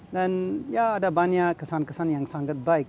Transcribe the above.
dan ya ada banyak kesan kesan yang sangat baik